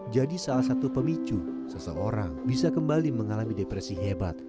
jadi salah satu pemicu seseorang bisa kembali mengalami depresi hebat